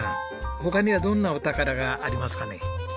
他にはどんなお宝がありますかね？